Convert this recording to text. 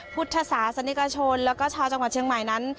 พุทธศาสนิกชนแล้วก็ชาวจังหวัดเชียงใหม่นั้น